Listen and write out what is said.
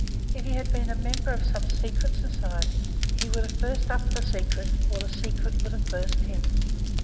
If he had been a member of some secret society, he would have burst up the secret, or the secret would have burst him.